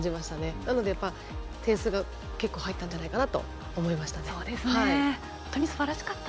なので、点数が結構入ったんじゃないかなと思いました。